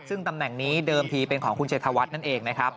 ซึ่งตำแหน่งนี้เดิมทีเป็นของคุณชัยธวัฒน์นั่นเองนะครับ